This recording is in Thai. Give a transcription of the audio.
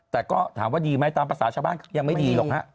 แต่ก็ถามว่าดีไหมตามภาษาชาวบ้านยังไม่ดีหรอกฮะ